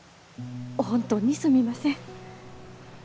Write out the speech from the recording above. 本当にすみません。